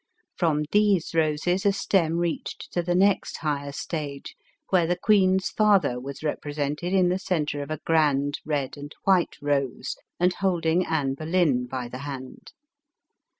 From these roses, a stem reached to the next higher stage where the queen's father was represented in the centre of a' grand red and white rose, and holding Anne Boleyn by the hand.